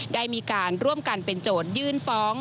ได้มีการร่วมกันเป็นโจทยื่นฟ้อง